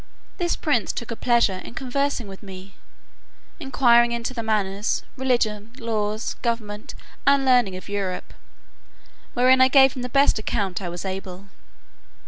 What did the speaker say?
This prince took a pleasure in conversing with me, inquiring into the manners, religion, laws, government, and learning of Europe; wherein I gave him the best account I was able.